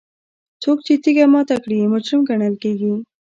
څوک چې تیږه ماته کړي مجرم ګڼل کیږي.